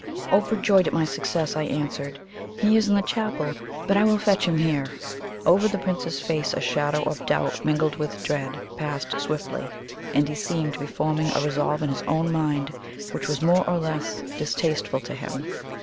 Overjoyed at my success, I answered: "He is in the chapel, but I will fetch him here." Over the Prince's face a shadow of doubt, mingled with dread, passed swiftly, and he seemed to be forming a resolve in his own mind which was more or less distasteful to him.